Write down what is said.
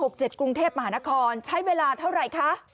กรุงเทพมหานครใช้เวลาเท่าไหร่คะ